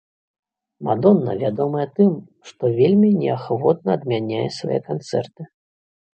Мадонна вядомая тым, што вельмі неахвотна адмяняе свае канцэрты.